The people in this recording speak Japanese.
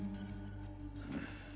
うん。